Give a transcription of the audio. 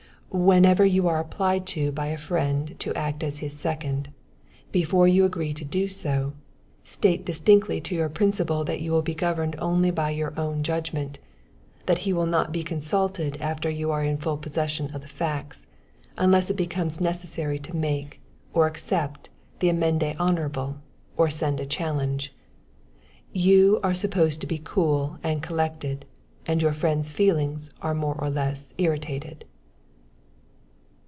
Whenever you are applied to by a friend to act as his second, before you agree to do so, state distinctly to your principal that you will be governed only by your own judgment, that he will not be consulted after you are in full possession of the facts, unless it becomes necessary to make or accept the amende honorable, or send a challenge. You are supposed to be cool and collected, and your friend's feelings are more or less irritated.